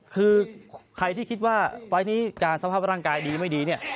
คือใครที่คิดว่าไฟล์นี้การสภาพร่างกายดีไม่ดีเนี่ย